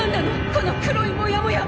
この黒いモヤモヤ！